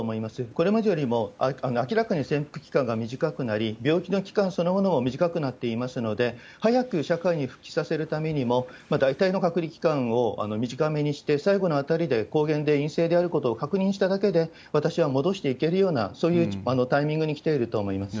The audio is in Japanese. これまでよりも明らかに潜伏期間が短くなり、病気の期間そのものも短くなっていますので、早く社会に復帰させるためにも、大体の隔離期間を短めにして、最後のあたりで抗原で陰性であることを確認しただけで、私は戻していけるような、そういうタイミングに来ていると思います。